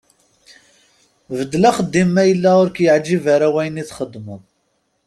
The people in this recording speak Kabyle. Beddel axeddim ma yella ur ak-yeɛǧib ara wayen i txeddmeḍ.